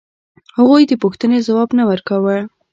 هغوی د پوښتنې ځواب نه ورکاوه.